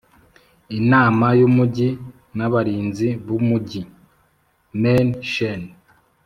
imana y’umugi n’abarinzi b’urugi (men shen).